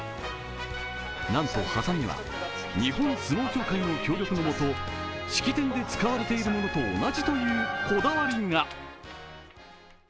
なんとハサミは日本相撲協会の協力の下式典で使われているものと同じというこだわりが。